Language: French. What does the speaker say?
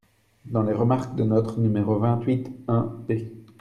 dans les remarques de notre nº vingt-huit (un, p.